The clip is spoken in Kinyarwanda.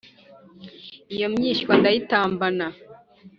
iyo myishywa ndayitambana